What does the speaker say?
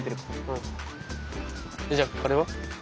じゃああれは？